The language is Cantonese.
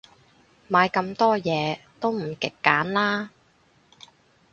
買咁多嘢，都唔極簡啦